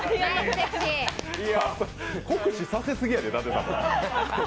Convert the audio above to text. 酷使させすぎやで、舘様。